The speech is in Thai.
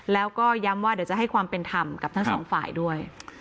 แล้วก็ย้ำว่าเดี๋ยวจะให้ความเป็นธรรมกับทั้งสองฝ่ายด้วย